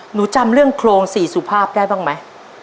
หนูจำเรื่องโครงสี่สุภาพได้บ้างไหม